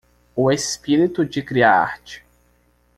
O espírito de criar arte